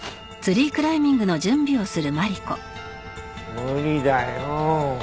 無理だよ。